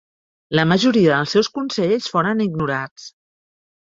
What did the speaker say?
La majoria dels seus consells foren ignorats.